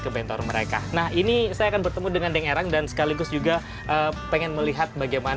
ke bentor mereka nah ini saya akan bertemu dengan deng erang dan sekaligus juga pengen melihat bagaimana